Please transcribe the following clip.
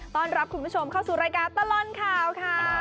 ต้อนรับคุณผู้ชมเข้าสู่รายการตลอดข่าวค่ะ